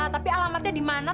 tapi alamatnya di mana